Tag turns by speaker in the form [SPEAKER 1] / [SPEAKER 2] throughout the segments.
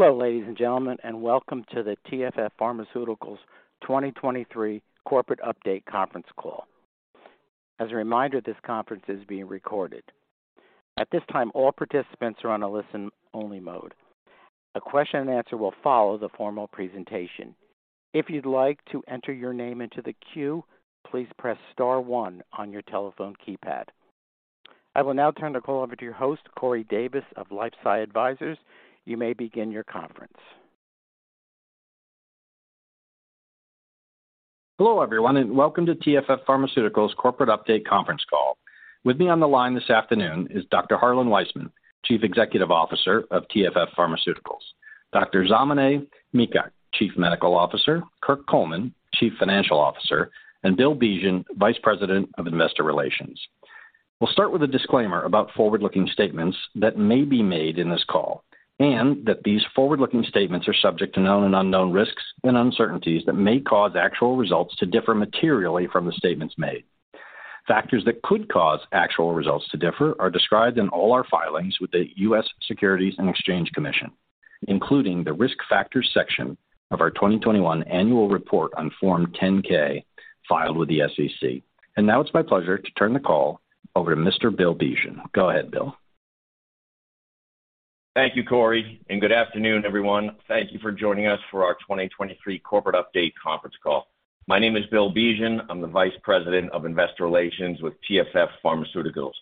[SPEAKER 1] Hello, ladies and gentlemen, and welcome to the TFF Pharmaceuticals 2023 corporate update conference call. As a reminder, this conference is being recorded. At this time, all participants are on a listen-only mode. A question and answer will follow the formal presentation. If you'd like to enter your name into the queue, please press star one on your telephone keypad. I will now turn the call over to your host, Corey Davis of LifeSci Advisors. You may begin your conference.
[SPEAKER 2] Hello, everyone, and welcome to TFF Pharmaceuticals corporate update conference call. With me on the line this afternoon is Dr. Harlan Weisman, Chief Executive Officer of TFF Pharmaceuticals, Dr. Zamaneh Mikhak, Chief Medical Officer, Kirk Coleman, Chief Financial Officer, and Bill Bivian, Vice President of Investor Relations. We'll start with a disclaimer about forward-looking statements that may be made in this call, and that these forward-looking statements are subject to known and unknown risks and uncertainties that may cause actual results to differ materially from the statements made. Factors that could cause actual results to differ are described in all our filings with the U.S. Securities and Exchange Commission, including the Risk Factors section of our 2021 annual report on Form 10-K filed with the SEC. Now it's my pleasure to turn the call over to Mr. Bill Bivian. Go ahead, Bill.
[SPEAKER 3] Thank you, Corey, and good afternoon, everyone. Thank you for joining us for our 2023 corporate update conference call. My name is Bill Bivian. I'm the Vice President of Investor Relations with TFF Pharmaceuticals.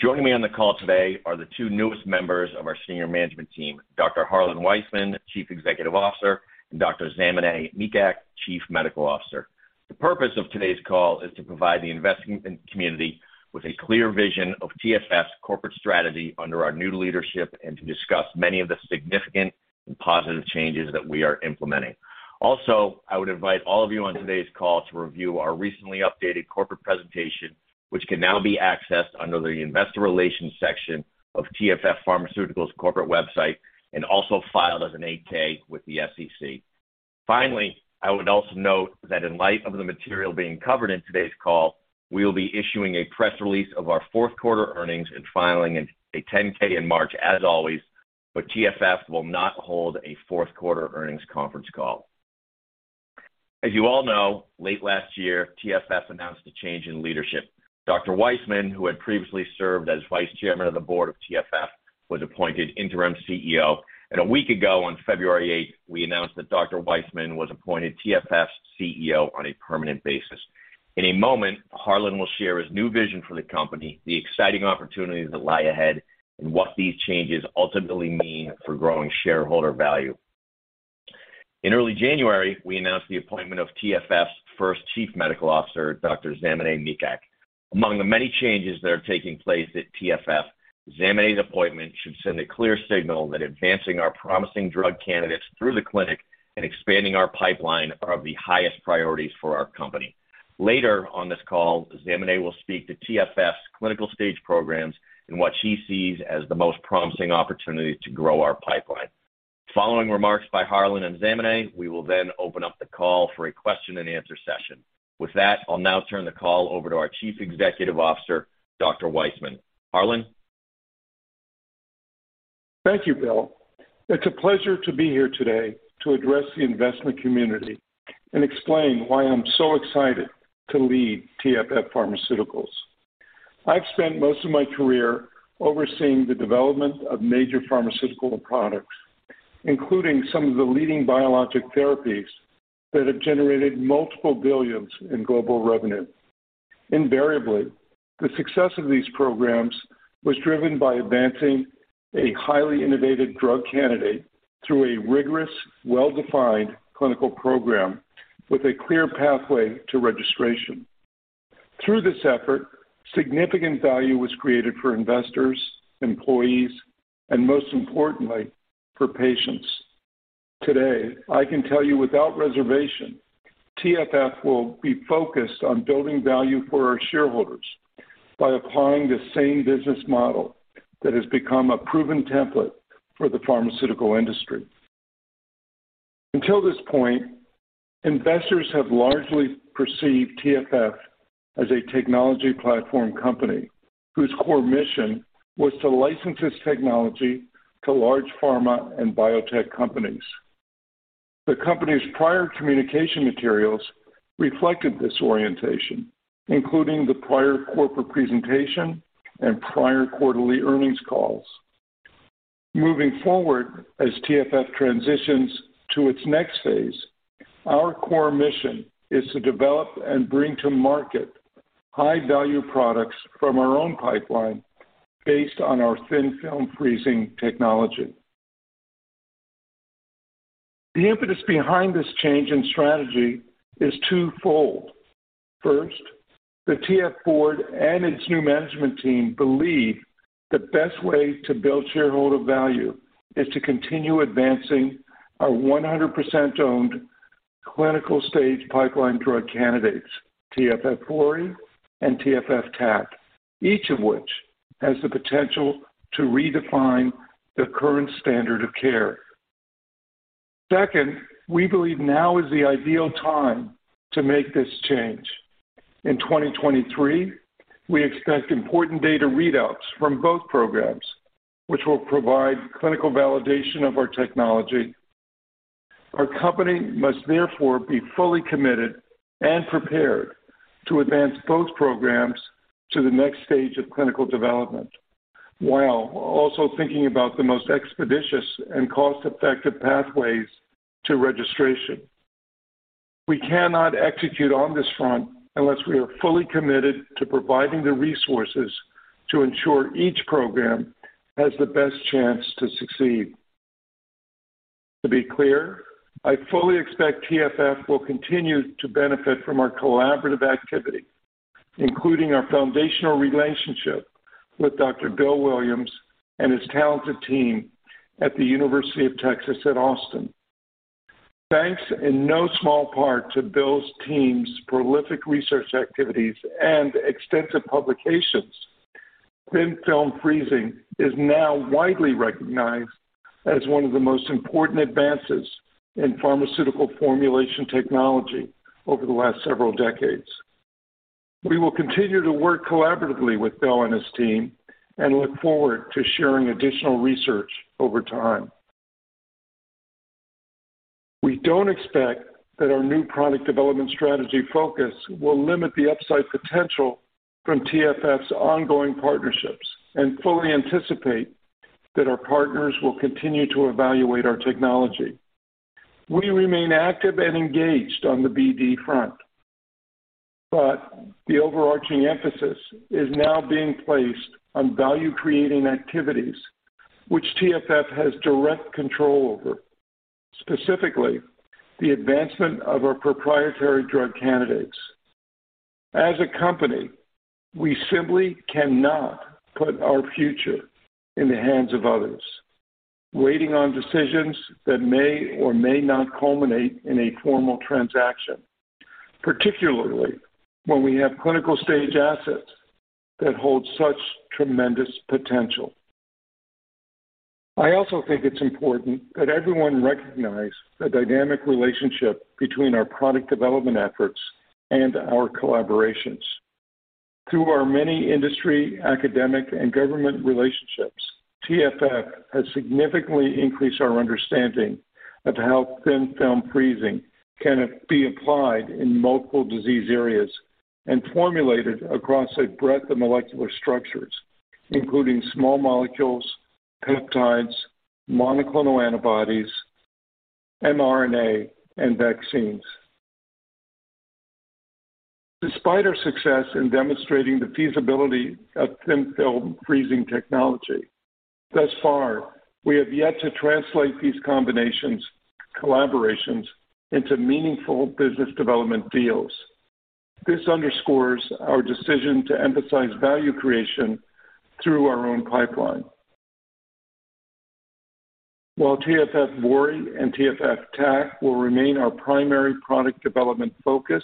[SPEAKER 3] Joining me on the call today are the two newest members of our senior management team, Dr. Harlan Weisman, Chief Executive Officer, and Dr. Zamaneh Mikhak, Chief Medical Officer. The purpose of today's call is to provide the investing community with a clear vision of TFF's corporate strategy under our new leadership and to discuss many of the significant and positive changes that we are implementing. Also, I would invite all of you on today's call to review our recently updated corporate presentation, which can now be accessed under the Investor Relations section of TFF Pharmaceuticals' corporate website and also filed as an 8-K with the SEC. Finally, I would also note that in light of the material being covered in today's call, we will be issuing a press release of our fourth quarter earnings and filing a 10-K in March as always, TFF will not hold a fourth quarter earnings conference call. As you all know, late last year, TFF announced a change in leadership. Dr. Weisman, who had previously served as vice chairman of the board of TFF, was appointed interim CEO. A week ago, on February 8th, we announced that Dr. Weisman was appointed TFF's CEO on a permanent basis. In a moment, Harlan will share his new vision for the company, the exciting opportunities that lie ahead, and what these changes ultimately mean for growing shareholder value. In early January, we announced the appointment of TFF's first Chief Medical Officer, Dr. Zamaneh Mikhak. Among the many changes that are taking place at TFF, Zamaneh's appointment should send a clear signal that advancing our promising drug candidates through the clinic and expanding our pipeline are the highest priorities for our company. Later on this call, Zamaneh will speak to TFF's clinical stage programs and what she sees as the most promising opportunity to grow our pipeline. Following remarks by Harlan and Zamaneh, we will then open up the call for a question and answer session. With that, I'll now turn the call over to our Chief Executive Officer, Dr. Weisman. Harlan?
[SPEAKER 4] Thank you, Bill. It's a pleasure to be here today to address the investment community and explain why I'm so excited to lead TFF Pharmaceuticals. I've spent most of my career overseeing the development of major pharmaceutical products, including some of the leading biologic therapies that have generated multiple billions in global revenue. Invariably, the success of these programs was driven by advancing a highly innovative drug candidate through a rigorous, well-defined clinical program with a clear pathway to registration. Through this effort, significant value was created for investors, employees, and most importantly, for patients. Today, I can tell you without reservation TFF will be focused on building value for our shareholders by applying the same business model that has become a proven template for the pharmaceutical industry. Until this point, investors have largely perceived TFF as a technology platform company whose core mission was to license its technology to large pharma and biotech companies. The company's prior communication materials reflected this orientation, including the prior corporate presentation and prior quarterly earnings calls. Moving forward, as TFF transitions to its next phase, our core mission is to develop and bring to market high-value products from our own pipeline based on our Thin Film Freezing technology. The impetus behind this change in strategy is twofold. First, the TFF board and its new management team believe the best way to build shareholder value is to continue advancing our 100% owned clinical stage pipeline drug candidates, TFF VORI and TFF TAC, each of which has the potential to redefine the current standard of care. Second, we believe now is the ideal time to make this change. In 2023, we expect important data readouts from both programs, which will provide clinical validation of our technology. Our company must therefore be fully committed and prepared to advance both programs to the next stage of clinical development while also thinking about the most expeditious and cost-effective pathways to registration. We cannot execute on this front unless we are fully committed to providing the resources to ensure each program has the best chance to succeed. To be clear, I fully expect TFF will continue to benefit from our collaborative activity, including our foundational relationship with Dr. Bill Williams and his talented team at The University of Texas at Austin. Thanks in no small part to Bill's team's prolific research activities and extensive publications, Thin Film Freezing is now widely recognized as one of the most important advances in pharmaceutical formulation technology over the last several decades. We will continue to w ork collaboratively with Bill and his team. Look forward to sharing additional research over time. We don't expect that our new product development strategy focus will limit the upside potential from TFF's ongoing partnerships and fully anticipate that our partners will continue to evaluate our technology. We remain active and engaged on the BD front. The overarching emphasis is now being placed on value-creating activities which TFF has direct control over. Specifically, the advancement of our proprietary drug candidates. As a company, we simply cannot put our future in the hands of others, waiting on decisions that may or may not culminate in a formal transaction, particularly when we have clinical-stage assets that hold such tremendous potential. I also think it's important that everyone recognize the dynamic relationship between our product development efforts and our collaborations. Through our many industry, academic, and government relationships, TFF has significantly increased our understanding of how Thin Film Freezing can be applied in multiple disease areas and formulated across a breadth of molecular structures, including small molecules, peptides, monoclonal antibodies, mRNA, and vaccines. Despite our success in demonstrating the feasibility of Thin Film Freezing technology, thus far, we have yet to translate these combinations collaborations into meaningful business development deals. This underscores our decision to emphasize value creation through our own pipeline. While TFF VORI and TFF TAC will remain our primary product development focus,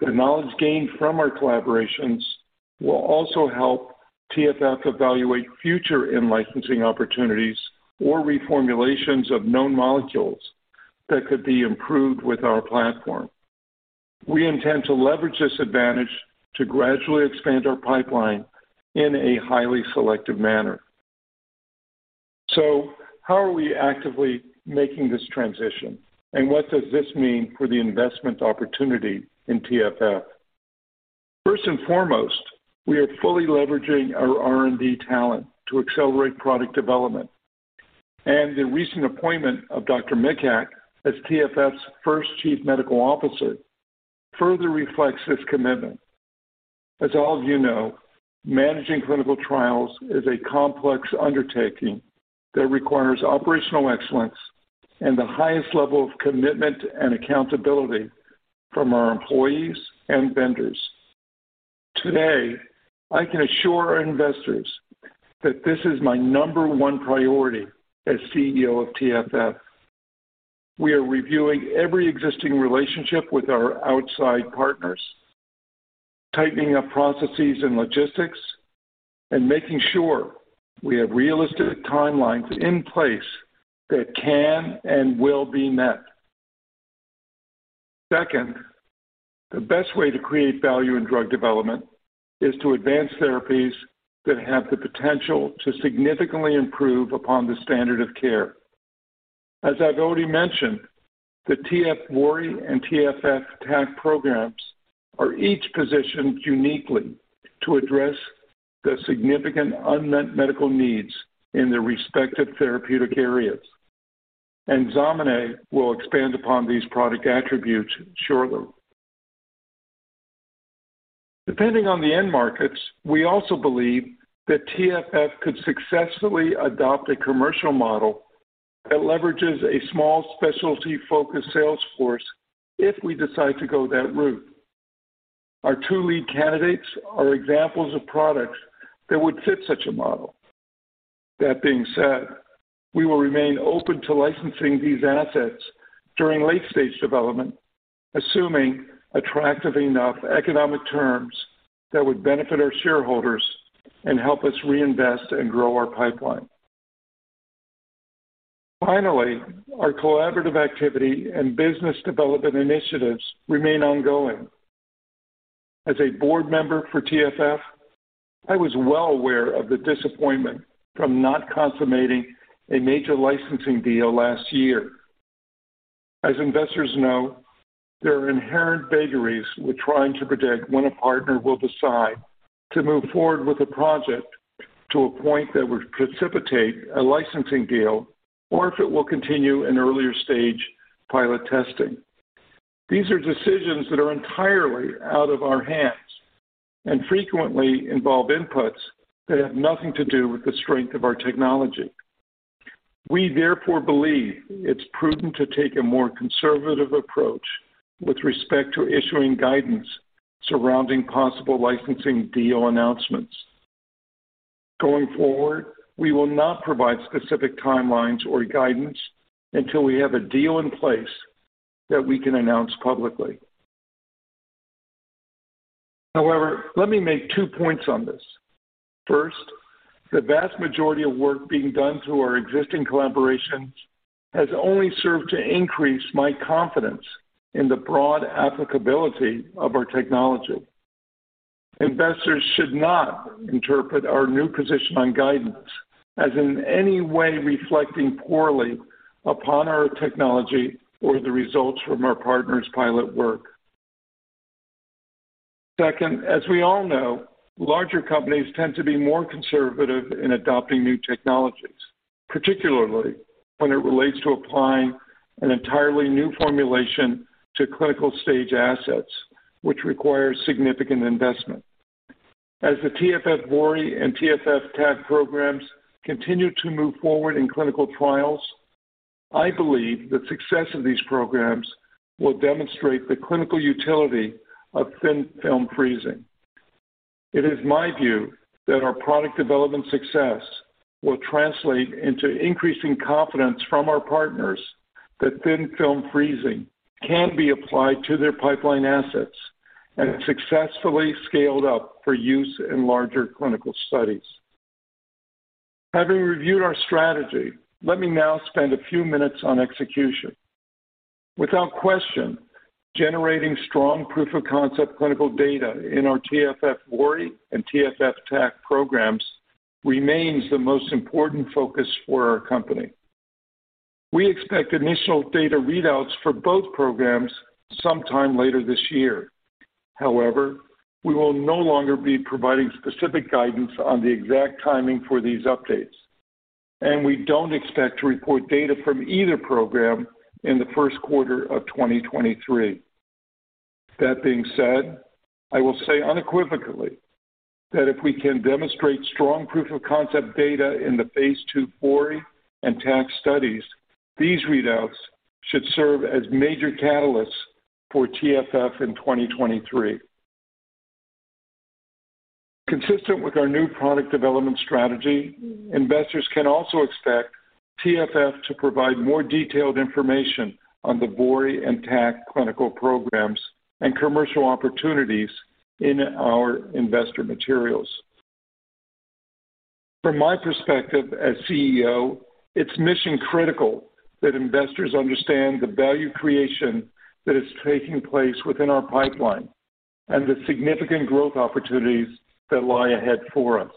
[SPEAKER 4] the knowledge gained from our collaborations will also help TFF evaluate future in-licensing opportunities or reformulations of known molecules that could be improved with our platform. We intend to leverage this advantage to gradually expand our pipeline in a highly selective manner. How are we actively making this transition, and what does this mean for the investment opportunity in TFF? First and foremost, we are fully leveraging our R&D talent to accelerate product development, and the recent appointment of Dr. Mikhak as TFF's first Chief Medical Officer further reflects this commitment. As all of you know, managing clinical trials is a complex undertaking that requires operational excellence and the highest level of commitment and accountability from our employees and vendors. Today, I can assure our investors that this is my number one priority as CEO of TFF. We are reviewing every existing relationship with our outside partners, tightening up processes and logistics, and making sure we have realistic timelines in place that can and will be met. Second, the best way to create value in drug development is to advance therapies that have the potential to significantly improve upon the standard of care. As I've already mentioned, the TFF VORI and TFF TAC programs are each positioned uniquely to address the significant unmet medical needs in their respective therapeutic areas, and Zamaneh will expand upon these product attributes shortly. Depending on the end markets, we also believe that TFF could successfully adopt a commercial model that leverages a small specialty-focused sales force if we decide to go that route. Our two lead candidates are examples of products that would fit such a model. That being said, we will remain open to licensing these assets during late-stage development, assuming attractive enough economic terms that would benefit our shareholders and help us reinvest and grow our pipeline. Finally, our collaborative activity and business development initiatives remain ongoing. As a board member for TFF, I was well aware of the disappointment from not consummating a major licensing deal last year. As investors know, there are inherent vagaries with trying to predict when a partner will decide to move forward with a project to a point that would precipitate a licensing deal or if it will continue in earlier stage pilot testing. These are decisions that are entirely out of our hands and frequently involve inputs that have nothing to do with the strength of our technology. We therefore believe it's prudent to take a more conservative approach with respect to issuing guidance surrounding possible licensing deal announcements. Going forward, we will not provide specific timelines or guidance until we have a deal in place that we can announce publicly. However, let me make two points on this. First, the vast majority of work being done through our existing collaborations has only served to increase my confidence in the broad applicability of our technology. Investors should not interpret our new position on guidance as in any way reflecting poorly upon our technology or the results from our partners' pilot work. Second, as we all know, larger companies tend to be more conservative in adopting new technologies, particularly when it relates to applying an entirely new formulation to clinical stage assets, which requires significant investment. As the TFF VORI and TFF TAC programs continue to move forward in clinical trials, I believe the success of these programs will demonstrate the clinical utility of Thin Film Freezing. It is my view that our product development success will translate into increasing confidence from our partners that Thin Film Freezing can be applied to their pipeline assets and successfully scaled up for use in larger clinical studies. Having reviewed our strategy, let me now spend a few minutes on execution. Without question, generating strong proof of concept clinical data in our TFF VORI and TFF TAC programs remains the most important focus for our company. We expect initial data readouts for both programs sometime later this year. We will no longer be providing specific guidance on the exact timing for these updates, and we don't expect to report data from either program in the first quarter of 2023. That being said, I will say unequivocally that if we can demonstrate strong proof of concept data in the phase II VORI and TAC studies, these readouts should serve as major catalysts for TFF in 2023. Consistent with our new product development strategy, investors can also expect TFF to provide more detailed information on the VORI and TAC clinical programs and commercial opportunities in our investor materials. From my perspective as CEO, it's mission critical that investors understand the value creation that is taking place within our pipeline and the significant growth opportunities that lie ahead for us.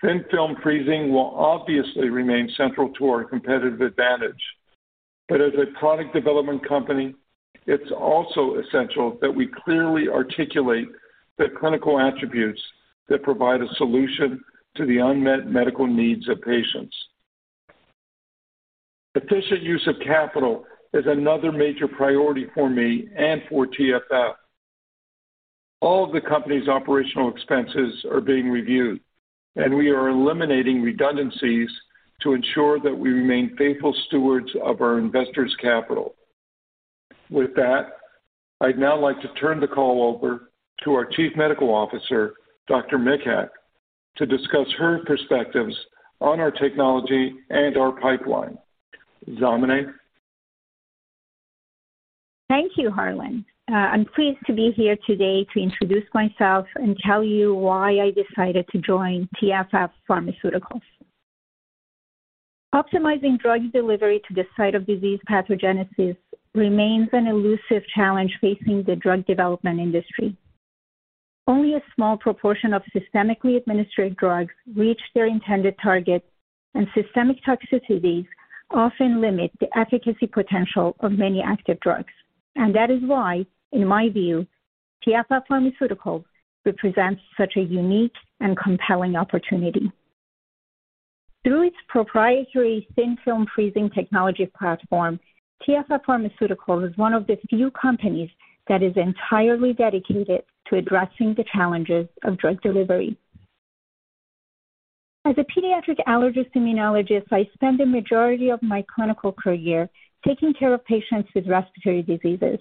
[SPEAKER 4] Thin Film Freezing will obviously remain central to our competitive advantage. As a product development company, it's also essential that we clearly articulate the clinical attributes that provide a solution to the unmet medical needs of patients. Efficient use of capital is another major priority for me and for TFF. All of the company's operational expenses are being reviewed. We are eliminating redundancies to ensure that we remain faithful stewards of our investors' capital. With that, I'd now like to turn the call over to our Chief Medical Officer, Dr. Mikhak, to discuss her perspectives on our technology and our pipeline. Zamaneh?
[SPEAKER 5] Thank you, Harlan. I'm pleased to be here today to introduce myself and tell you why I decided to join TFF Pharmaceuticals. Optimizing drug delivery to the site of disease pathogenesis remains an elusive challenge facing the drug development industry. Only a small proportion of systemically administered drugs reach their intended target, and systemic toxicities often limit the efficacy potential of many active drugs. That is why, in my view, TFF Pharmaceuticals represents such a unique and compelling opportunity. Through its proprietary Thin Film Freezing technology platform, TFF Pharmaceuticals is one of the few companies that is entirely dedicated to addressing the challenges of drug delivery. As a pediatric allergist immunologist, I spend a majority of my clinical career taking care of patients with respiratory diseases.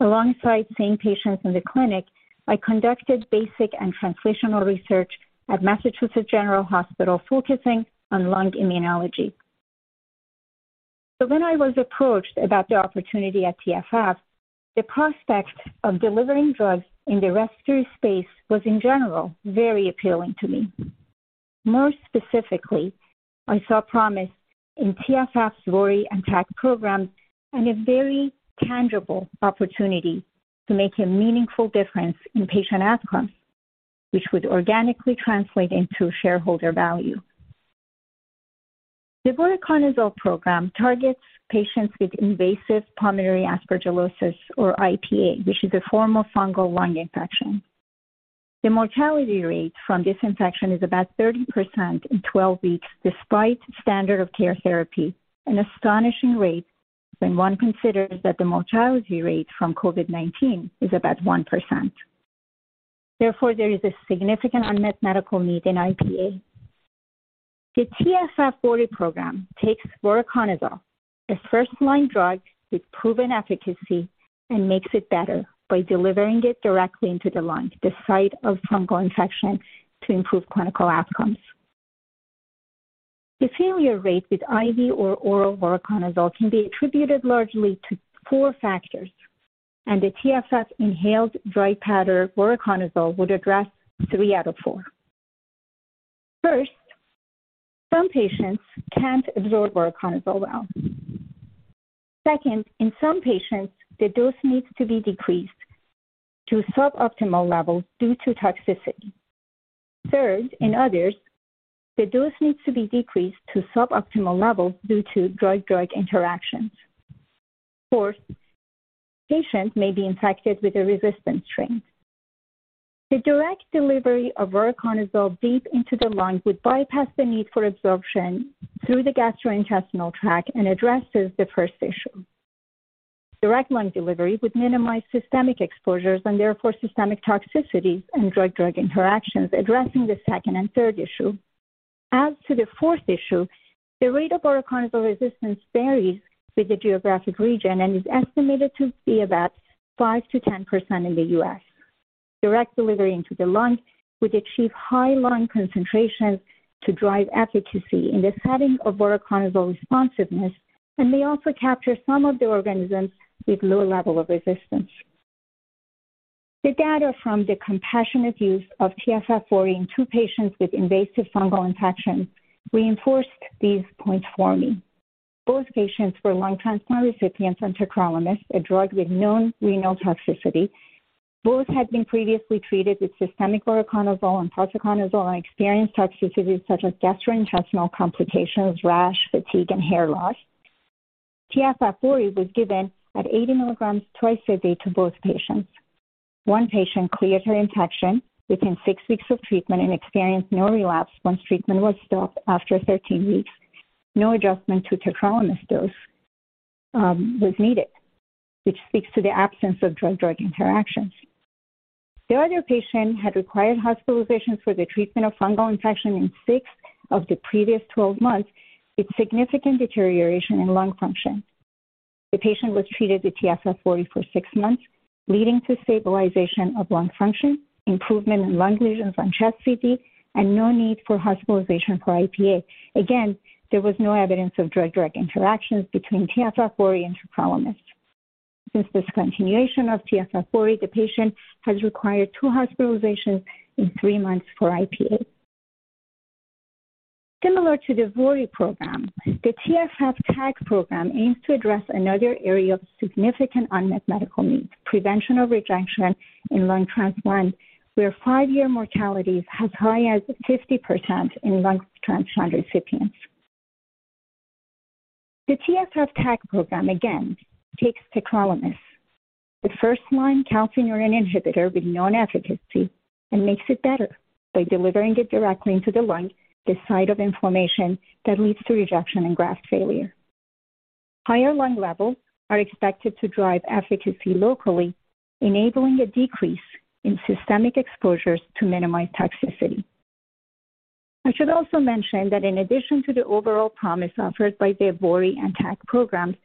[SPEAKER 5] Alongside seeing patients in the clinic, I conducted basic and translational research at Massachusetts General Hospital, focusing on lung immunology. When I was approached about the opportunity at TFF, the prospect of delivering drugs in the respiratory space was in general very appealing to me. More specifically, I saw promise in TFF's VORI and TAC programs and a very tangible opportunity to make a meaningful difference in patient outcomes, which would organically translate into shareholder value. The voriconazole program targets patients with invasive pulmonary aspergillosis or IPA, which is a form of fungal lung infection. The mortality rate from this infection is about 30% in 12 weeks despite standard of care therapy, an astonishing rate when one considers that the mortality rate from COVID-19 is about 1%. Therefore, there is a significant unmet medical need in IPA. The TFF VORI program takes voriconazole, a first-line drug with proven efficacy, and makes it better by delivering it directly into the lung, the site of fungal infection, to improve clinical outcomes. The failure rate with IV or oral voriconazole can be attributed largely to four factors, and the TFF inhaled dry powder voriconazole would address three out of four. First, some patients can't absorb voriconazole well. Second, in some patients, the dose needs to be decreased to suboptimal levels due to toxicity. Third, in others, the dose needs to be decreased to suboptimal levels due to drug-drug interactions. Fourth, patients may be infected with a resistant strain. The direct delivery of voriconazole deep into the lungs would bypass the need for absorption through the gastrointestinal tract and addresses the first issue. Direct lung delivery would minimize systemic exposures and therefore systemic toxicities and drug-drug interactions, addressing the second and third issue. To the fourth issue, the rate of voriconazole resistance varies with the geographic region and is estimated to be about 5%-10% in the U.S. Direct delivery into the lung would achieve high lung concentrations to drive efficacy in the setting of voriconazole responsiveness and may also capture some of the organisms with low level of resistance. The data from the compassionate use of TFF VORI in two patients with invasive fungal infection reinforced these points for me. Both patients were lung transplant recipients on tacrolimus, a drug with known renal toxicity. Both had been previously treated with systemic voriconazole and posaconazole and experienced toxicities such as gastrointestinal complications, rash, fatigue, and hair loss. TFF VORI was given at 80 mg twice a day to both patients. One patient cleared her infection within six weeks of treatment and experienced no relapse once treatment was stopped after 13 weeks. No adjustment to tacrolimus dose was needed, which speaks to the absence of drug-drug interactions. The other patient had required hospitalizations for the treatment of fungal infection in six months of the previous 12 months with significant deterioration in lung function. The patient was treated with TFF VORI for six months, leading to stabilization of lung function, improvement in lung lesions on chest CT, and no need for hospitalization for IPA. There was no evidence of drug-drug interactions between TFF VORI and tacrolimus. Since discontinuation of TFF VORI, the patient has required two hospitalizations in three months for IPA. Similar to the VORI program, the TFF TAC program aims to address another area of significant unmet medical need, prevention of rejection in lung transplant, where five-year mortality is as high as 50% in lung transplant recipients. The TFF TAC program again takes tacrolimus, the first-line calcineurin inhibitor with known efficacy, and makes it better by delivering it directly into the lung, the site of inflammation that leads to rejection and graft failure. Higher lung levels are expected to drive efficacy locally, enabling a decrease in systemic exposures to minimize toxicity. I should also mention that in addition to the overall promise offered by the VORI and TAC programs,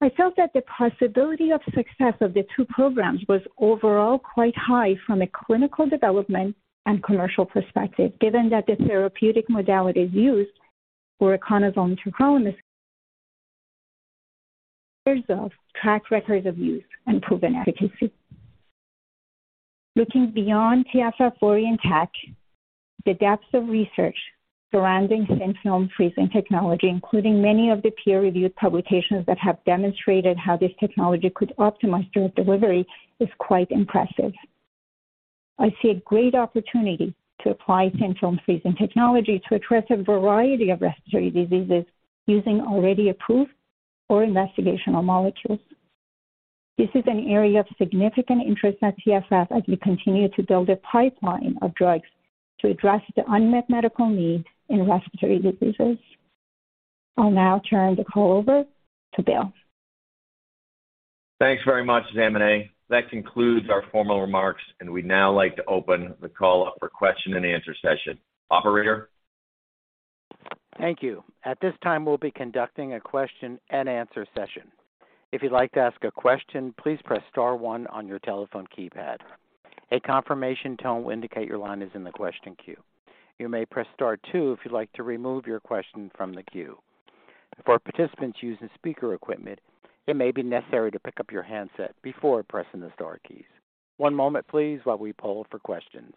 [SPEAKER 5] I felt that the possibility of success of the two programs was overall quite high from a clinical development and commercial perspective, given that the therapeutic modalities used, voriconazole and tacrolimus, have years of track record of use and proven efficacy. Looking beyond TFF VORI and TAC, the depths of research surrounding Thin Film Freezing technology, including many of the peer-reviewed publications that have demonstrated how this technology could optimize drug delivery, is quite impressive. I see a great opportunity to apply Thin Film Freezing technology to address a variety of respiratory diseases using already approved or investigational molecules. This is an area of significant interest at TFF as we continue to build a pipeline of drugs to address the unmet medical need in respiratory diseases. I'll now turn the call over to Bill.
[SPEAKER 3] Thanks very much, Zamaneh. That concludes our formal remarks, and we'd now like to open the call up for question and answer session. Operator?
[SPEAKER 1] Thank you. At this time, we'll be conducting a question-and-answer session. If you'd like to ask a question, please press star one on your telephone keypad. A confirmation tone will indicate your line is in the question queue. You may press star two if you'd like to remove your question from the queue. For participants using speaker equipment, it may be necessary to pick up your handset before pressing the star keys. One moment, please, while we poll for questions.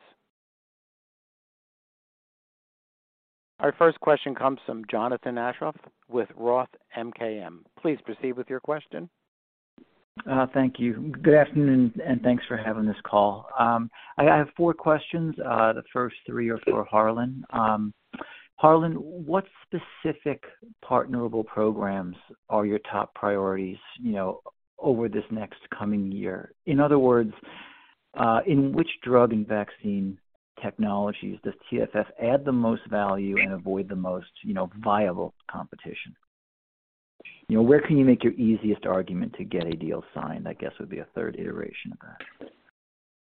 [SPEAKER 1] Our first question comes from Jonathan Aschoff with Roth MKM. Please proceed with your question.
[SPEAKER 6] Thank you. Good afternoon, and thanks for having this call. I have four questions. The first three are for Harlan. Harlan, what specific partnerable programs are your top priorities, you know, over this next coming year? In other words, in which drug and vaccine technologies does TFF add the most value and avoid the most, you know, viable competition? You know, where can you make your easiest argument to get a deal signed, I guess, would be a third iteration of that.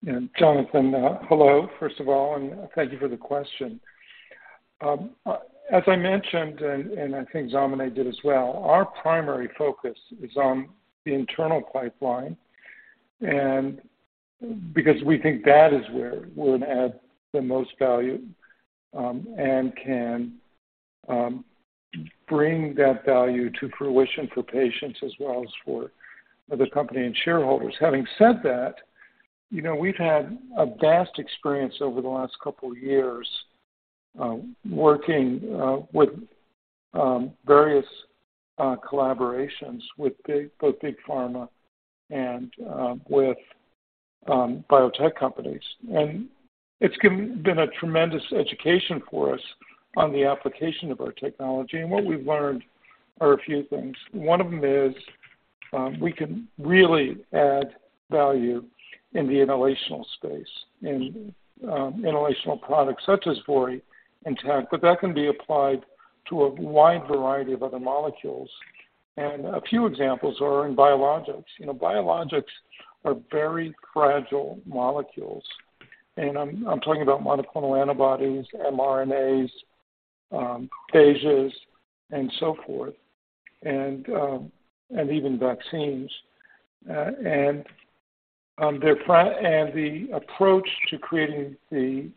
[SPEAKER 4] Yeah. Jonathan, hello, first of all, and thank you for the question. As I mentioned, and I think Zamaneh did as well, our primary focus is on the internal pipeline and because we think that is where we'll add the most value, and can, bring that value to fruition for patients as well as for the company and shareholders. Having said that, you know, we've had a vast experience over the last couple years, working, with, various, collaborations with both big pharma and, with, biotech companies. It's been a tremendous education for us on the application of our technology. What we've learned are a few things. One of them is, we can really add value in the inhalational space, in inhalational products such as VORI and TAC. That can be applied to a wide variety of other molecules, and a few examples are in biologics. You know, biologics are very fragile molecules, and I'm talking about monoclonal antibodies, mRNAs, cages and so forth, and even vaccines. The approach to creating the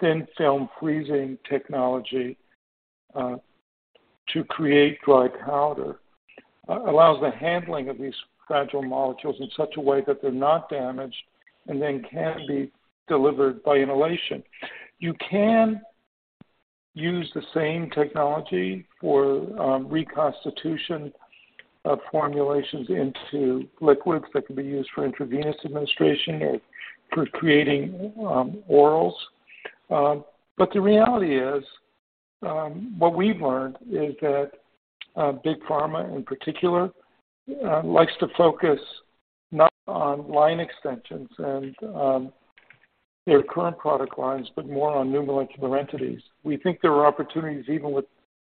[SPEAKER 4] Thin Film Freezing technology to create dry powder allows the handling of these fragile molecules in such a way that they're not damaged and then can be delivered by inhalation. You can use the same technology for reconstitution of formulations into liquids that can be used for intravenous administration or for creating orals. The reality is, what we've learned is that big pharma in particular likes to focus not on line extensions and their current product lines, but more on new molecular entities. We think there are opportunities, even with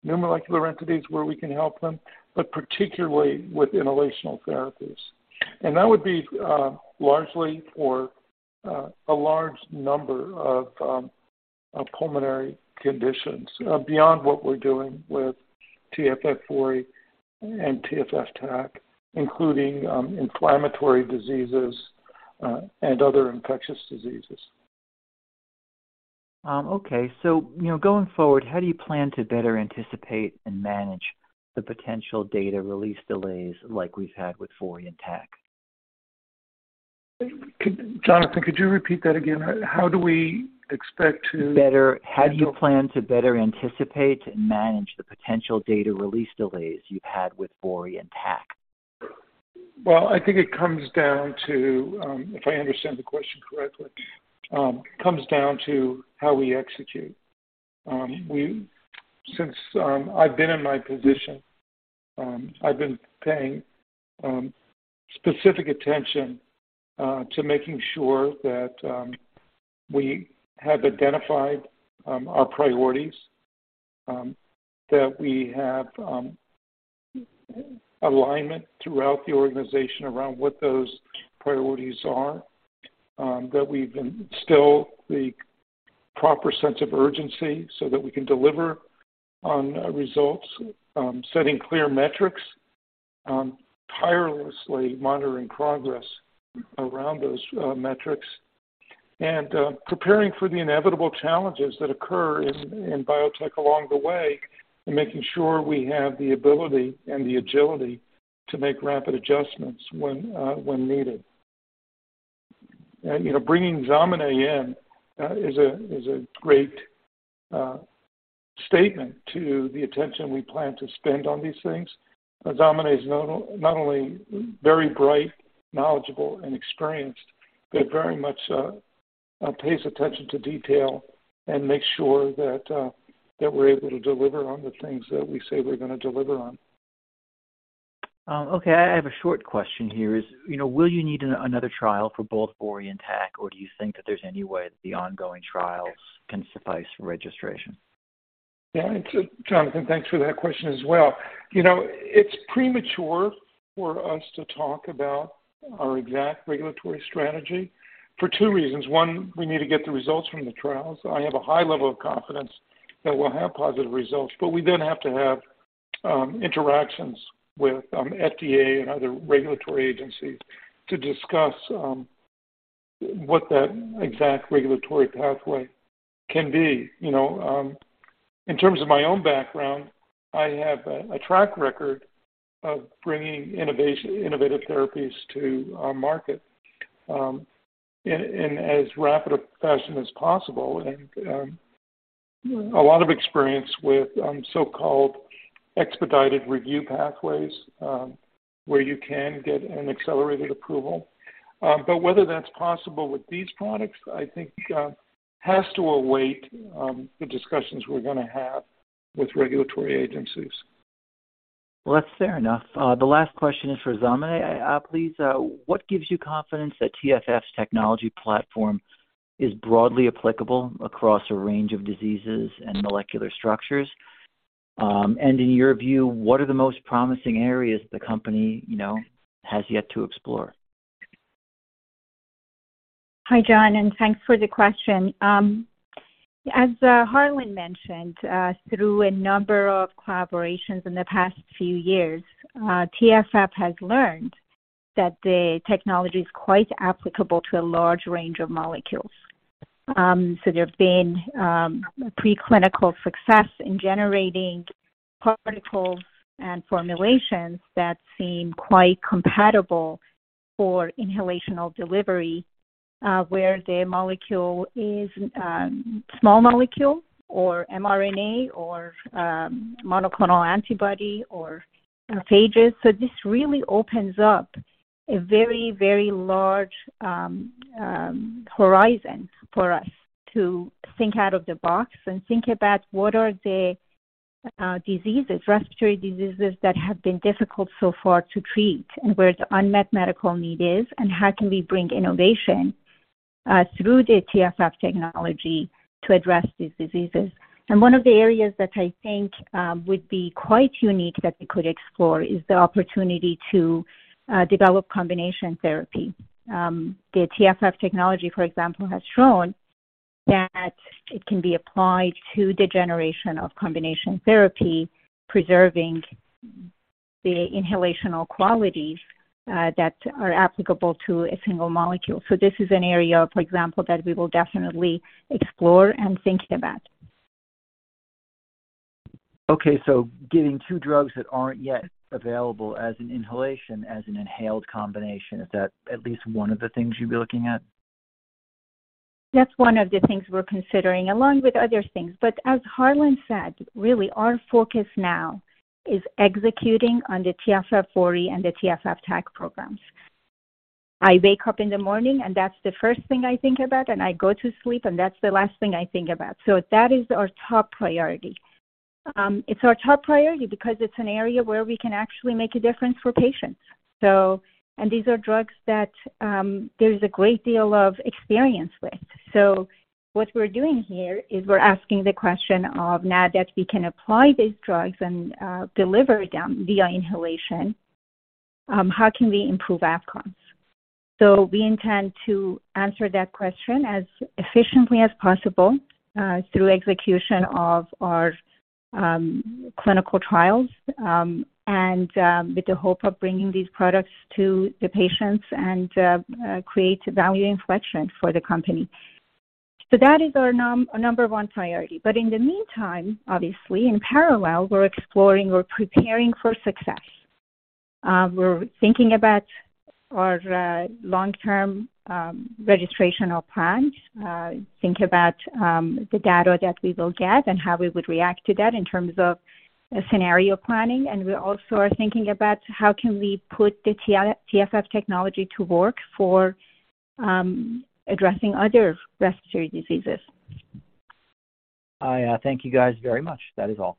[SPEAKER 4] new molecular entities, where we can help them, but particularly with inhalational therapies. That would be largely for a large number of pulmonary conditions beyond what we're doing with TFF VORI and TFF TAC, including inflammatory diseases and other infectious diseases.
[SPEAKER 6] Okay. You know, going forward, how do you plan to better anticipate and manage the potential data release delays like we've had with VORI and TAC?
[SPEAKER 4] Jonathan, could you repeat that again? How do we expect?
[SPEAKER 6] Better-
[SPEAKER 4] Yeah.
[SPEAKER 6] How do you plan to better anticipate and manage the potential data release delays you've had with VORI and TAC?
[SPEAKER 4] Well, I think it comes down to, if I understand the question correctly, comes down to how we execute. Since I've been in my position, I've been paying specific attention to making sure that we have identified our priorities, that we have alignment throughout the organization around what those priorities are, that we've instilled the proper sense of urgency so that we can deliver on results, setting clear metrics, tirelessly monitoring progress around those metrics, and preparing for the inevitable challenges that occur in biotech along the way, and making sure we have the ability and the agility to make rapid adjustments when needed. You know, bringing Zamaneh in is a great statement to the attention we plan to spend on these things. Zamaneh is not only very bright, knowledgeable and experienced, but very much pays attention to detail and makes sure that we're able to deliver on the things that we say we're gonna deliver on.
[SPEAKER 6] Okay. I have a short question here is, you know, will you need another trial for both VORI and TAC, or do you think that there's any way the ongoing trials can suffice for registration?
[SPEAKER 4] Yeah. Jonathan, thanks for that question as well. You know, it's premature for us to talk about our exact regulatory strategy for two reasons. One, we need to get the results from the trials. I have a high level of confidence that we'll have positive results, but we then have to have interactions with FDA and other regulatory agencies to discuss what that exact regulatory pathway can be. You know, in terms of my own background, I have a track record of bringing innovative therapies to our market in as rapid a fashion as possible and a lot of experience with so-called expedited review pathways where you can get an accelerated approval. Whether that's possible with these products, I think, has to await the discussions we're gonna have with regulatory agencies.
[SPEAKER 6] Well, that's fair enough. The last question is for Zamaneh. Please, what gives you confidence that TFF's technology platform is broadly applicable across a range of diseases and molecular structures? In your view, what are the most promising areas the company, you know, has yet to explore?
[SPEAKER 5] Hi, John, thanks for the question. As Harlan mentioned, through a number of collaborations in the past few years, TFF has learned that the technology is quite applicable to a large range of molecules. There have been preclinical success in generating particles and formulations that seem quite compatible for inhalational delivery, where the molecule is small molecule or mRNA or monoclonal antibody or phages. This really opens up a very, very large horizon for us to think out of the box and think about what are the diseases, respiratory diseases that have been difficult so far to treat and where the unmet medical need is, and how can we bring innovation through the TFF technology to address these diseases. One of the areas that I think would be quite unique that we could explore is the opportunity to develop combination therapy. The TFF technology, for example, has shown that it can be applied to the generation of combination therapy, preserving the inhalational qualities that are applicable to a single molecule. This is an area, for example, that we will definitely explore and think about.
[SPEAKER 6] Okay. Getting two drugs that aren't yet available as an inhalation, as an inhaled combination, is that at least one of the things you'll be looking at?
[SPEAKER 5] That's one of the things we're considering, along with other things. As Harlan said, really our focus now is executing on the TFF VORI and the TFF TAC programs. I wake up in the morning, and that's the first thing I think about, and I go to sleep, and that's the last thing I think about. That is our top priority. It's our top priority because it's an area where we can actually make a difference for patients. These are drugs that there's a great deal of experience with. What we're doing here is we're asking the question of, now that we can apply these drugs and deliver them via inhalation, how can we improve outcomes? We intend to answer that question as efficiently as possible, through execution of our clinical trials and with the hope of bringing these products to the patients and create value inflection for the company. That is our number one priority. In the meantime, obviously in parallel, we're exploring, we're preparing for success. We're thinking about our long-term registrational plans, think about the data that we will get and how we would react to that in terms of scenario planning. We also are thinking about how can we put the TFF technology to work for addressing other respiratory diseases.
[SPEAKER 6] I, thank you guys very much. That is all.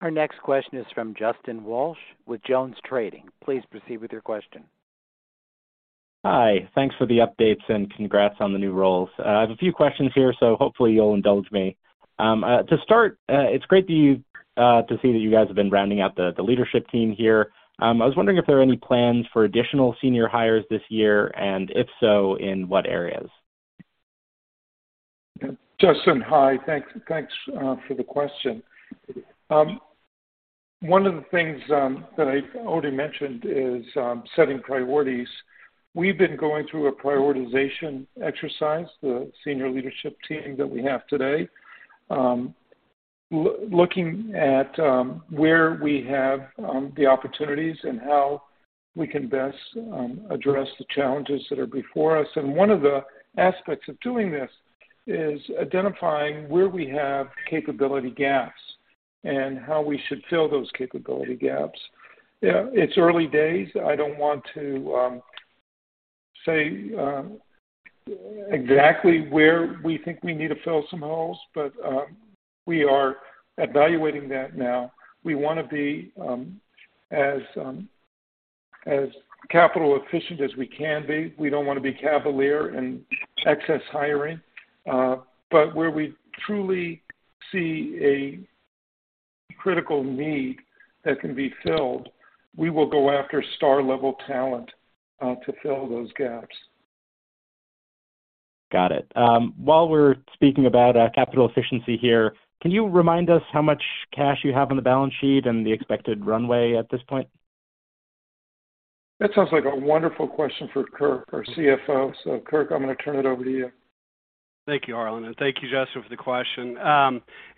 [SPEAKER 1] Our next question is from Justin Walsh with JonesTrading. Please proceed with your question.
[SPEAKER 7] Hi. Thanks for the updates and congrats on the new roles. I have a few questions here, so hopefully you'll indulge me. to start, it's great to see that you guys have been rounding out the leadership team here. I was wondering if there are any plans for additional senior hires this year, and if so, in what areas?
[SPEAKER 4] Justin, hi. Thank, thanks, for the question. One of the things that I already mentioned is setting priorities. We've been going through a prioritization exercise, the senior leadership team that we have today, looking at where we have the opportunities and how we can best address the challenges that are before us. One of the aspects of doing this is identifying where we have capability gaps and how we should fill those capability gaps. It's early days. I don't want to say exactly where we think we need to fill some holes, but we are evaluating that now. We wanna be as capital efficient as we can be. We don't wanna be cavalier in excess hiring. Where we truly see a critical need that can be filled, we will go after star-level talent to fill those gaps.
[SPEAKER 7] Got it. While we're speaking about capital efficiency here, can you remind us how much cash you have on the balance sheet and the expected runway at this point?
[SPEAKER 4] That sounds like a wonderful question for Kirk, our CFO. Kirk, I'm gonna turn it over to you.
[SPEAKER 8] Thank you, Harlan, and thank you, Justin, for the question.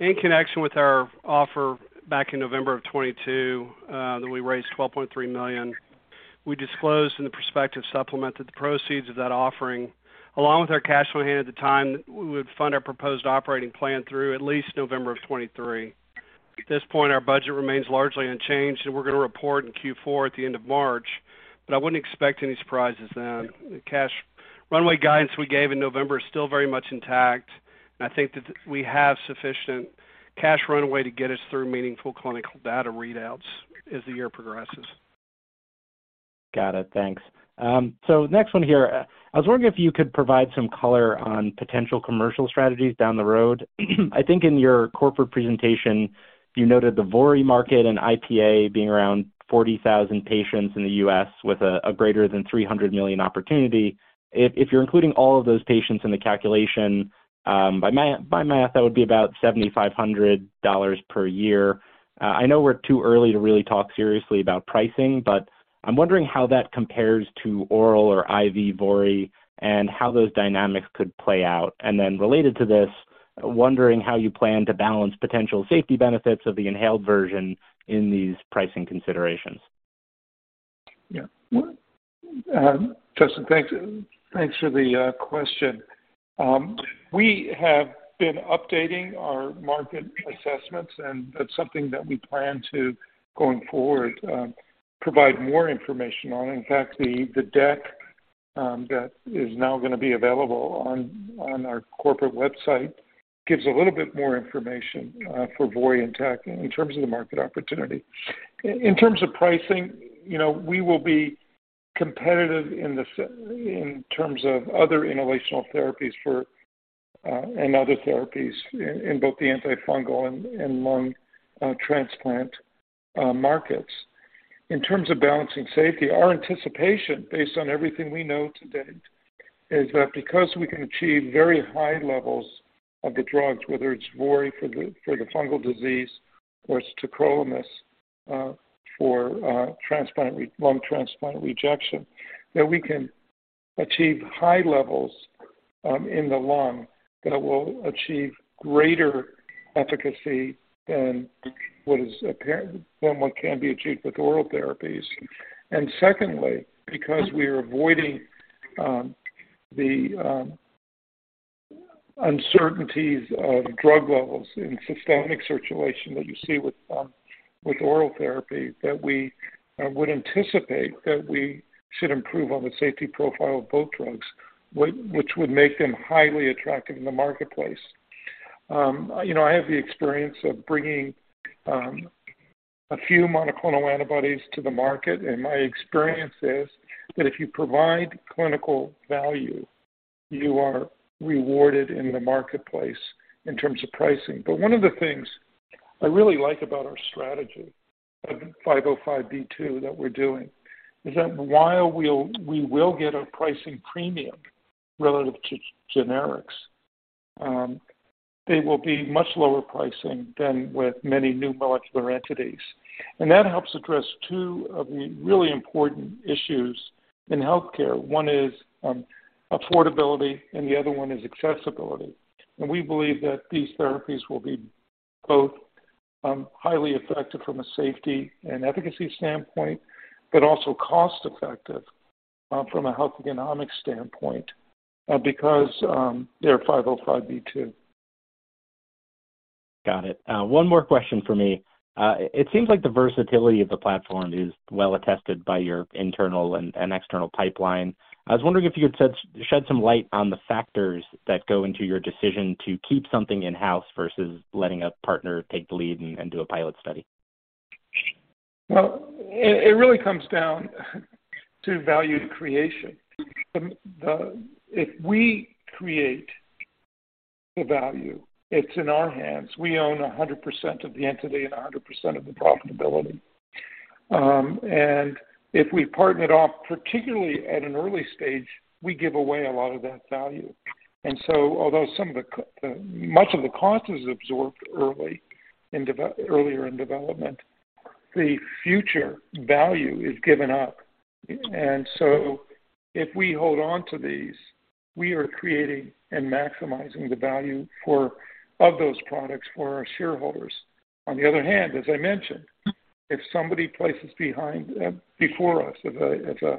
[SPEAKER 8] In connection with our offer back in November of 2022, that we raised $12.3 million, we disclosed in the perspective supplement that the proceeds of that offering, along with our cash on hand at the time, we would fund our proposed operating plan through at least November of 2023. At this point, our budget remains largely unchanged, and we're gonna report in Q4 at the end of March, but I wouldn't expect any surprises then. The cash runway guidance we gave in November is still very much intact. I think that we have sufficient cash runway to get us through meaningful clinical data readouts as the year progresses.
[SPEAKER 7] Got it. Thanks. Next one here. I was wondering if you could provide some color on potential commercial strategies down the road. I think in your corporate presentation, you noted the VORI market and IPA being around 40,000 patients in the U.S. with a greater than $300 million opportunity. If you're including all of those patients in the calculation, by math, that would be about $7,500 per year. I know we're too early to really talk seriously about pricing, but I'm wondering how that compares to oral or IV VORI and how those dynamics could play out. Related to this, wondering how you plan to balance potential safety benefits of the inhaled version in these pricing considerations.
[SPEAKER 4] Well, Justin, thanks for the question. We have been updating our market assessments, and that's something that we plan to, going forward, provide more information on. In fact, the deck, that is now gonna be available on our corporate website gives a little bit more information for VORI and TAC in terms of the market opportunity. In terms of pricing, you know, we will be competitive in terms of other inhalational therapies for and other therapies in both the antifungal and lung transplant markets. In terms of balancing safety, our anticipation, based on everything we know to date, is that because we can achieve very high levels of the drugs, whether it's VORI for the, for the fungal disease or it's tacrolimus, for lung transplant rejection, that we can achieve high levels in the lung that will achieve greater efficacy than what can be achieved with oral therapies. Secondly, because we are avoiding the uncertainties of drug levels in systemic circulation that you see with oral therapy, that we would anticipate that we should improve on the safety profile of both drugs, which would make them highly attractive in the marketplace. You know, I have the experience of bringing a few monoclonal antibodies to the market, and my experience is that if you provide clinical value, you are rewarded in the marketplace in terms of pricing. One of the things I really like about our strategy of 505(b)(2) that we're doing is that while we will get a pricing premium relative to generics, they will be much lower pricing than with many new molecular entities. That helps address two of the really important issues in healthcare. One is affordability, and the other one is accessibility. We believe that these therapies will be both highly effective from a safety and efficacy standpoint, but also cost-effective from a health economic standpoint because they're 505(b)(2).
[SPEAKER 7] Got it. One more question for me. It seems like the versatility of the platform is well attested by your internal and external pipeline. I was wondering if you could shed some light on the factors that go into your decision to keep something in-house versus letting a partner take the lead and do a pilot study.
[SPEAKER 4] Well, it really comes down to value creation. If we create the value, it's in our hands. We own 100% of the entity and 100% of the profitability. If we partner it off, particularly at an early stage, we give away a lot of that value. Although much of the cost is absorbed earlier in development, the future value is given up. If we hold on to these, we are creating and maximizing the value for, of those products for our shareholders. On the other hand, as I mentioned, if somebody places behind before us, if a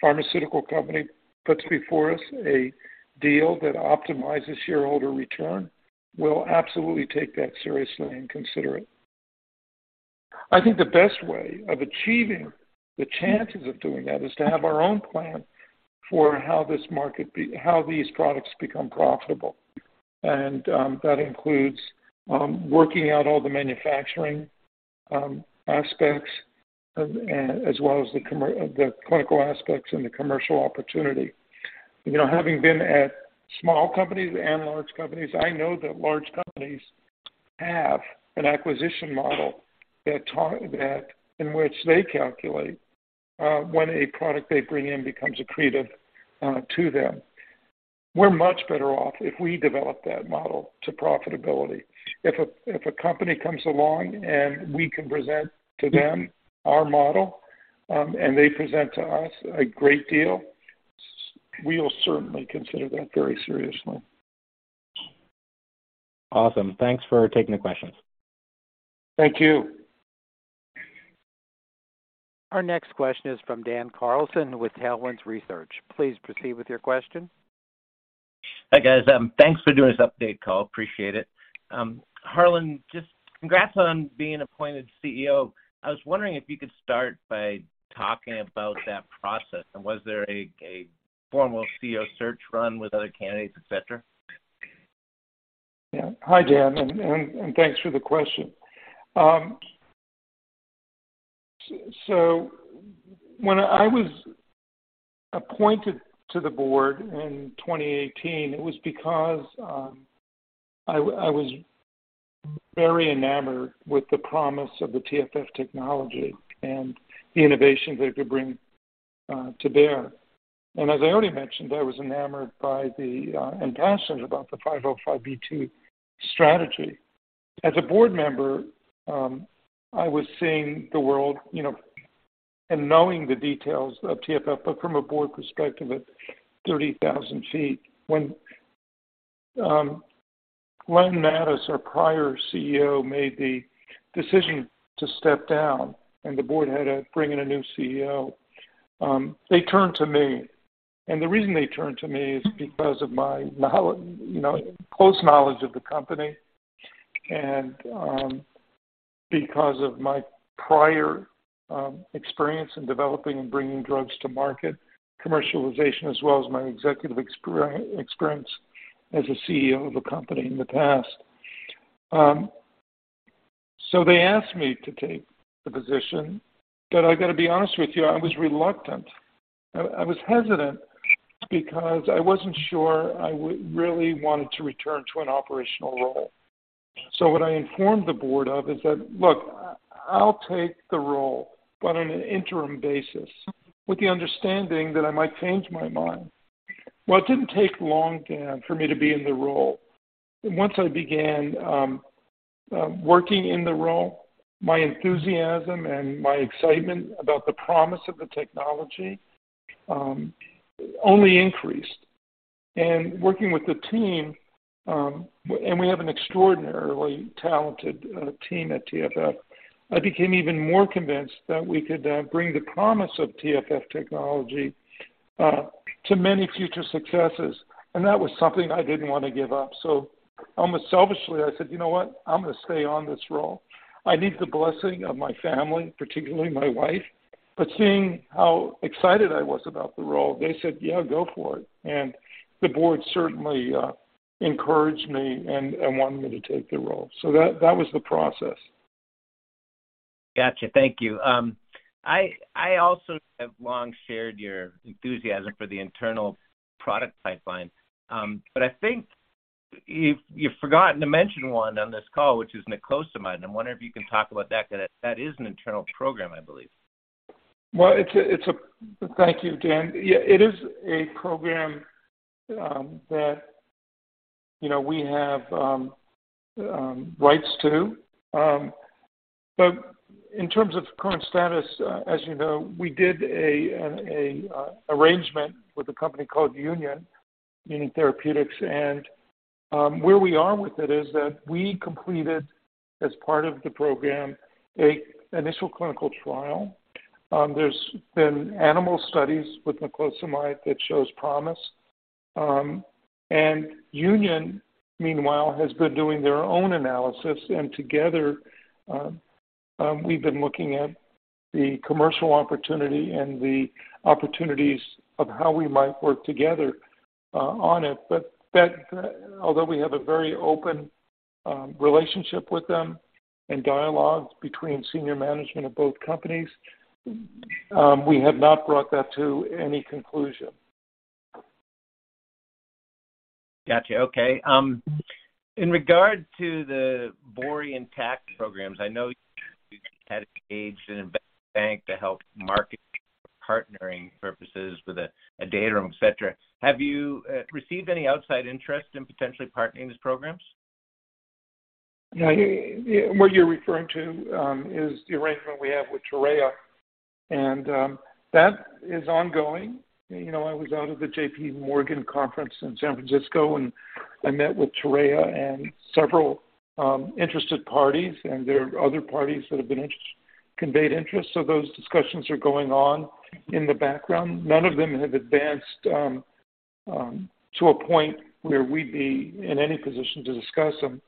[SPEAKER 4] pharmaceutical company puts before us a deal that optimizes shareholder return, we'll absolutely take that seriously and consider it. I think the best way of achieving the chances of doing that is to have our own plan for how this market how these products become profitable. That includes working out all the manufacturing aspects of as well as the clinical aspects and the commercial opportunity. You know, having been at small companies and large companies, I know that large companies have an acquisition model that in which they calculate when a product they bring in becomes accretive to them. We're much better off if we develop that model to profitability. If a, if a company comes along and we can present to them our model, and they present to us a great deal, we'll certainly consider that very seriously.
[SPEAKER 7] Awesome. Thanks for taking the questions.
[SPEAKER 4] Thank you.
[SPEAKER 1] Our next question is from Dan Carlson with Tailwinds Research. Please proceed with your question.
[SPEAKER 9] Hi, guys. Thanks for doing this update call. Appreciate it. Harlan, just congrats on being appointed CEO. I was wondering if you could start by talking about that process. Was there a formal CEO search run with other candidates, et cetera?
[SPEAKER 4] Hi, Dan, and thanks for the question. So when I was appointed to the board in 2018, it was because I was very enamored with the promise of the TFF technology and the innovation they could bring to bear. As I already mentioned, I was enamored by the and passionate about the 505(b)(2) strategy. As a board member, I was seeing the world, you know, and knowing the details of TFF, but from a board perspective at 30,000 feet. When Glenn Mattes, our prior CEO, made the decision to step down and the board had to bring in a new CEO, they turned to me. The reason they turned to me is because of my you know, close knowledge of the company and because of my prior experience in developing and bringing drugs to market, commercialization, as well as my executive experience as a CEO of a company in the past. They asked me to take the position, but I gotta be honest with you, I was reluctant. I was hesitant because I wasn't sure I really wanted to return to an operational role. What I informed the board of is that, Look, I'll take the role, but on an interim basis, with the understanding that I might change my mind. It didn't take long, Dan, for me to be in the role. Once I began working in the role, my enthusiasm and my excitement about the promise of the technology only increased. Working with the team, and we have an extraordinarily talented team at TFF, I became even more convinced that we could bring the promise of TFF technology to many future successes, and that was something I didn't wanna give up. Almost selfishly, I said, "You know what? I'm gonna stay on this role." I need the blessing of my family, particularly my wife. Seeing how excited I was about the role, they said, "Yeah, go for it." The board certainly encouraged me and wanted me to take the role. That was the process.
[SPEAKER 9] Gotcha. Thank you. I also have long shared your enthusiasm for the internal product pipeline. I think you've forgotten to mention one on this call, which is niclosamide, and I'm wondering if you can talk about that, 'cause that is an internal program, I believe.
[SPEAKER 4] Well, thank you, Dan. Yeah. It is a program that, you know, we have rights to. In terms of current status, as you know, we did an arrangement with a company called UNION, meaning therapeutics. Where we are with it is that we completed, as part of the program, an initial clinical trial. There's been animal studies with niclosamide that shows promise. UNION, meanwhile, has been doing their own analysis, and together, we've been looking at the commercial opportunity and the opportunities of how we might work together on it. That, although we have a very open relationship with them and dialogues between senior management of both companies, we have not brought that to any conclusion.
[SPEAKER 9] Gotcha. Okay. In regard to the VORI and TAC programs, I know you've had engaged in investment bank to help market partnering purposes with a data, et cetera. Have you received any outside interest in potentially partnering these programs?
[SPEAKER 4] Yeah. What you're referring to is the arrangement we have with Torreya. That is ongoing. You know, I was out at the JPMorgan conference in San Francisco, and I met with Torreya and several interested parties, and there are other parties that have conveyed interest. Those discussions are going on in the background. None of them have advanced to a point where we'd be in any position to discuss them.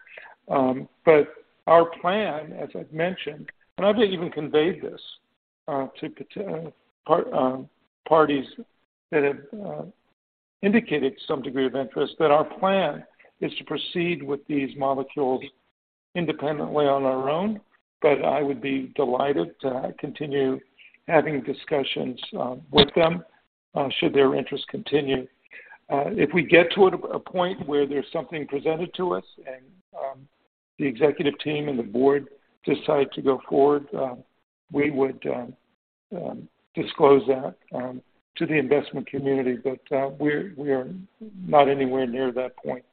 [SPEAKER 4] Our plan, as I've mentioned, and I've even conveyed this to parties that have indicated some degree of interest, that our plan is to proceed with these molecules independently on our own, but I would be delighted to continue having discussions with them should their interest continue. If we get to a point where there's something presented to us and the executive team and the board decide to go forward, we would disclose that to the investment community, but we are not anywhere near that point.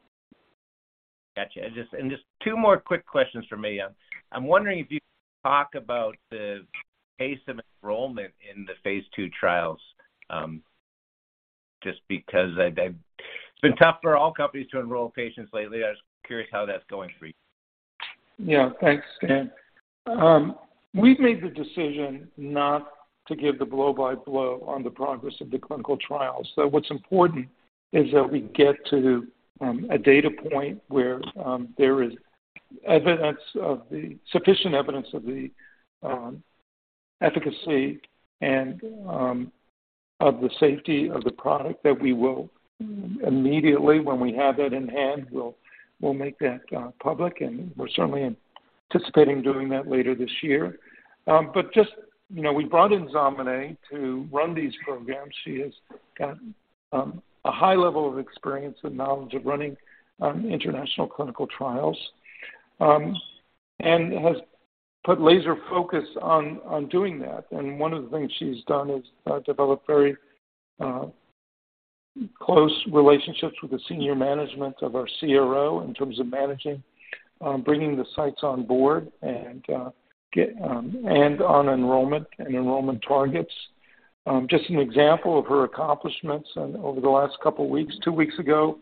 [SPEAKER 9] Gotcha. Just two more quick questions from me. I'm wondering if you could talk about the pace of enrollment in the phase II trials, just because It's been tough for all companies to enroll patients lately. I was curious how that's going for you.
[SPEAKER 4] Yeah. Thanks, Dan. We've made the decision not to give the blow-by-blow on the progress of the clinical trial. What's important is that we get to a data point where there is sufficient evidence of the efficacy and of the safety of the product that we will immediately, when we have that in hand, we'll make that public, and we're certainly anticipating doing that later this year. Just, you know, we brought in Zamaneh to run these programs. She has gotten a high level of experience and knowledge of running international clinical trials. Has put laser focus on doing that. One of the things she's done is develop very close relationships with the senior management of our CRO in terms of managing bringing the sites on board and on enrollment and enrollment targets. Just an example of her accomplishments. Over the last couple weeks, two weeks ago,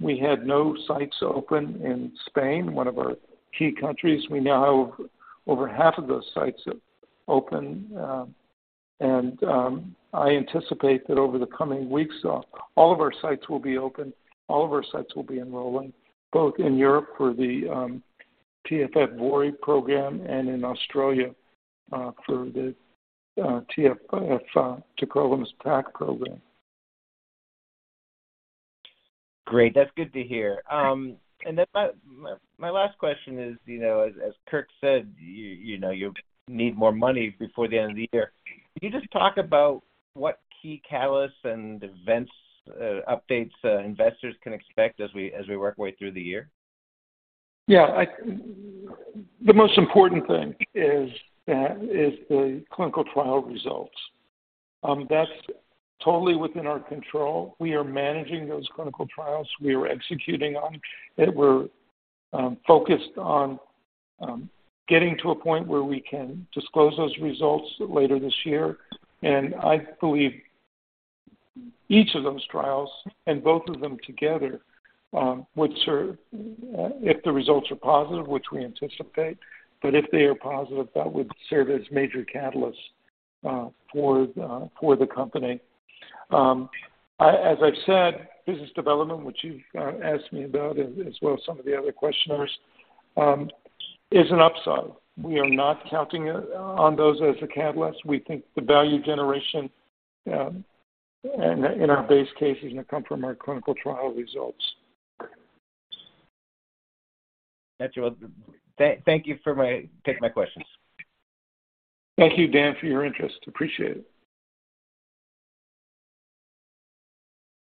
[SPEAKER 4] we had no sites open in Spain, one of our key countries. We now have over half of those sites open, and I anticipate that over the coming weeks, all of our sites will be open, all of our sites will be enrolling, both in Europe for the TFF VORI program and in Australia for the TFF Tacrolimus TAC program.
[SPEAKER 9] Great. That's good to hear. Then my last question is, you know, as Kirk said, you know, you need more money before the end of the year. Can you just talk about what key catalysts and events, updates, investors can expect as we work our way through the year?
[SPEAKER 4] Yeah. The most important thing is the clinical trial results. That's totally within our control. We are managing those clinical trials. We are executing on. We're focused on getting to a point where we can disclose those results later this year. I believe each of those trials and both of them together would serve, if the results are positive, which we anticipate, but if they are positive, that would serve as major catalyst for the company. As I've said, business development, which you've asked me about as well as some of the other questioners, is an upside. We are not counting on those as the catalyst. We think the value generation in our base case is gonna come from our clinical trial results.
[SPEAKER 9] Got you. Thank you for taking my questions.
[SPEAKER 4] Thank you, Dan, for your interest. Appreciate it.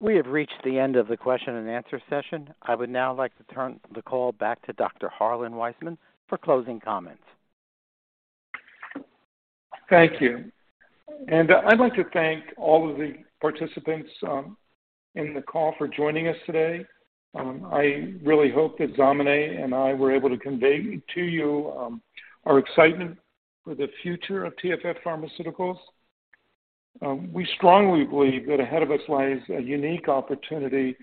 [SPEAKER 1] We have reached the end of the question and answer session. I would now like to turn the call back to Dr. Harlan Weisman for closing comments.
[SPEAKER 4] Thank you. I'd like to thank all of the participants in the call for joining us today. I really hope that Zamaneh and I were able to convey to you our excitement for the future of TFF Pharmaceuticals. We strongly believe that ahead of us lies a unique opportunity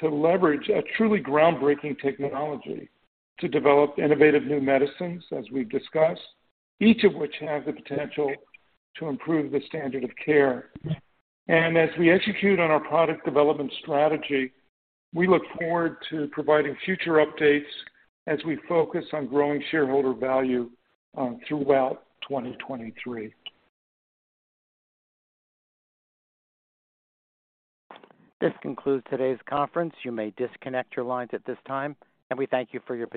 [SPEAKER 4] to leverage a truly groundbreaking technology to develop innovative new medicines, as we've discussed, each of which have the potential to improve the standard of care. As we execute on our product development strategy, we look forward to providing future updates as we focus on growing shareholder value throughout 2023.
[SPEAKER 1] This concludes today's conference. You may disconnect your lines at this time. We thank you for your participation.